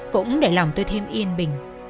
cũng để lòng tôi thêm yên bình